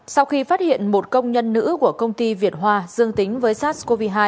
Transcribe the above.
sau khi phát hiện một công nhân nữ của công ty việt hoa dương tính với sars cov hai